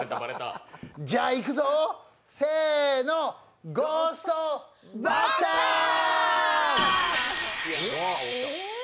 じゃあいくぞ、せーのゴーストバスターズ。